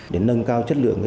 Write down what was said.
để nâng cao chất lượng